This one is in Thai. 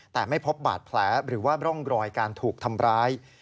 แต่ไม่พบบาดแผลหรือว่าร่องรอยการถูกทำร้าย